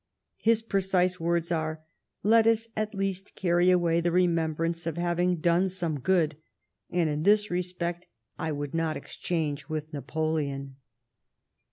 His precise words are :" Let us at least carry away the remembrance of having done some good — and in this respect I would not exchange with Napoleon " 140 LIFE OF FRINGE METTEBNICH.